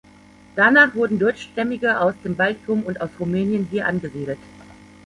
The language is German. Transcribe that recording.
Danach wurden Deutschstämmige aus dem Baltikum und aus Rumänien hier angesiedelt.